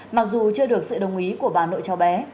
mặc dù chưa được sự đồng ý của bà nội cho bé